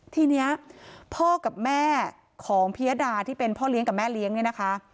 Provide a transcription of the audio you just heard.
ทีนี้พ่อกับแม่ของพิยดาที่เป็นพ่อเลี้ยงกับแม่เลี้ยงเนี่ยนะคะ